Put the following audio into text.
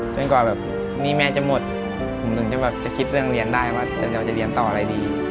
กว่าแบบหนี้แม่จะหมดผมถึงจะแบบจะคิดเรื่องเรียนได้ว่าอยากจะเรียนต่ออะไรดี